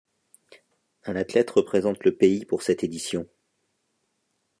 Un athlète représentent le pays pour cette édition.